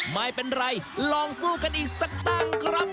ไม่เป็นไรลองสู้กันอีกสักตั้งครับ